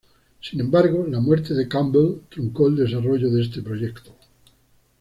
Sin embargo, la muerte de Campbell truncó el desarrollo de este proyecto.